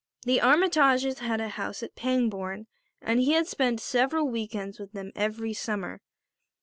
The Armytages had a house at Pangbourne and he spent several week ends with them every summer.